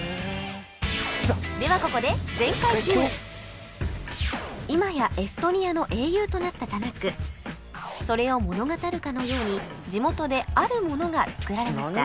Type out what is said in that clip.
ではここで今やエストニアの英雄となったタナックそれを物語るかのように地元であるものが作られました